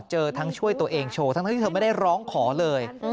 เจอทั้งช่วยตัวเองโชว์ทั้งที่เธอไม่ได้ร้องขอเลย